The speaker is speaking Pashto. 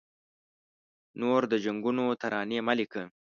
نور د جنګونو ترانې مه لیکه